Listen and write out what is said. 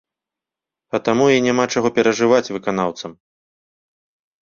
А таму і няма чаго перажываць выканаўцам.